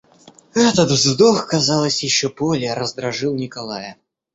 Этот вздох, казалось, еще более раздражил Николая.